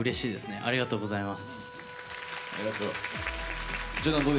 ありがとうございます。